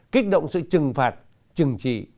kích động sự trừng phạt trừng trị